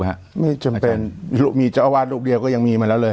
ไม่จำเป็นมีเจ้าอาวาสรูปเดียวก็ยังมีมาแล้วเลย